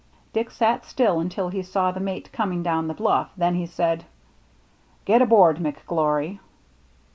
Dick sat still until he saw the mate coming down the bluff, then he said, " Get aboard, McGlory."